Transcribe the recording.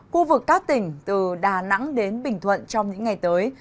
khu vực các tỉnh từ đà nẵng đến bình thuận trong những ngày tới